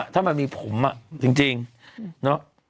จริงเนอะ